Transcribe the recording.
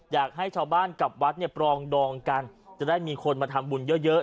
อยากให้ชาวบ้านกับวัดเนี่ยปรองดองกันจะได้มีคนมาทำบุญเยอะ